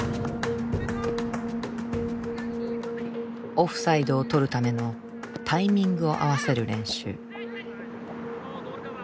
オフサイドをとるためのタイミングを合わせる練習。